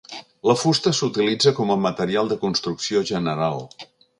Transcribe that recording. La fusta s'utilitza com a material de construcció general.